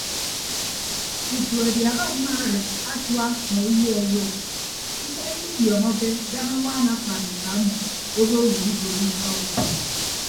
Tutu adiaha mma arịd atua nọ uyo ọwuọ usʌñ ikidiọọñọke daña añwaan akpan eka ọmọ obooho idiboiyo ika urua.